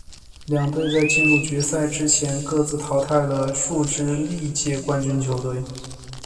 两队在进入决赛之前各自淘汰了数支历届冠军球队。